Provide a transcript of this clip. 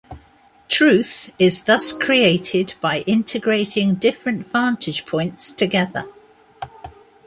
"Truth" is thus created by integrating different vantage points together.